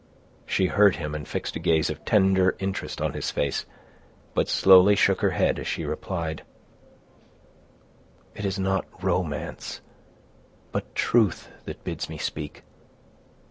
She heard him, and fixed a gaze of tender interest on his face, but slowly shook her head as she replied,— "It is not romance, but truth, that bids me speak.